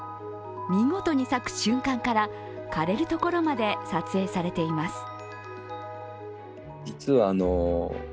見事に咲く瞬間から枯れるところまで撮影されています。